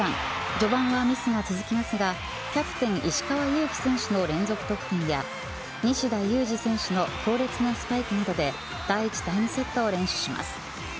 序盤はミスが続きますがキャプテン石川祐希選手の連続得点や西田有志選手の強烈なスパイクなどで第１、第２セットを連取します。